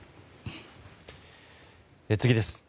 次です。